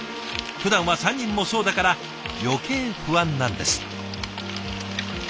ふだんは３人もそうだから余計不安なんです。